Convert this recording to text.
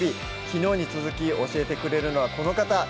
昨日に続き教えてくれるのはこの方